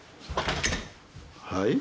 はい？